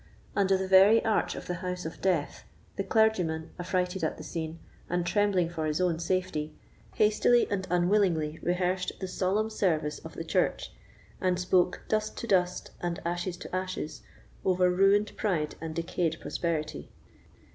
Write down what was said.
Under the very arch of the house of death, the clergyman, affrighted at the scene, and trembling for his own safety, hastily and unwillingly rehearsed the solemn service of the church, and spoke "dust to dust and ashes to ashes," over ruined pride and decayed prosperity.